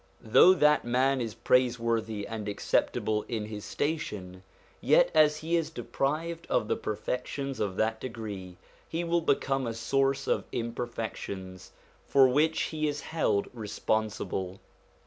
Though that man is praiseworthy and acceptable in his station, yet as he is deprived of the perfections of that degree, he will become a source of imperfections, for which he is held responsible.